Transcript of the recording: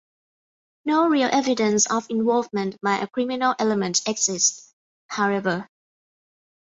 No real evidence of involvement by a criminal element exists, however.